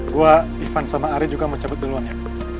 gue ivan sama arya juga mau cabut duluan ya